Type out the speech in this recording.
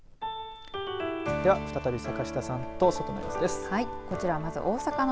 では再び坂下さんと外の様子です。